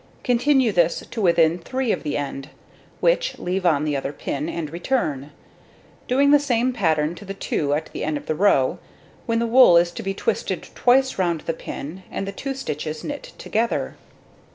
Continue this to within 3 of the end, which leave on the other pin, and return, doing the same pattern to the 2 at the end of the row, when the wool is to be twisted twice round the pin, and the 2 stitches knit together.